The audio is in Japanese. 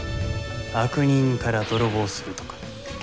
悪人から泥棒するとか。